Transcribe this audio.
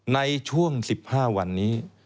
ในช่วง๑๕วันนี้